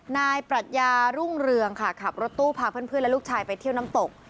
ปรัชญารุ่งเรืองค่ะขับรถตู้พาเพื่อนและลูกชายไปเที่ยวน้ำตก